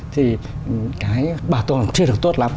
thì cái bảo tồn chưa được tốt lắm